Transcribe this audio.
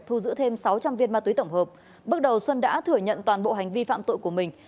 thu giữ thêm sáu trăm linh viên ma túy tổng hợp bước đầu xuân đã thừa nhận toàn bộ hành vi phạm tội của mình